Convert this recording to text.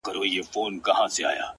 دا ستا ښكلا ته شعر ليكم!!